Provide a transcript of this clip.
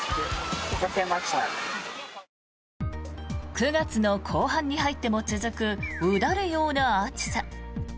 ９月の後半に入っても続くうだるような暑さ。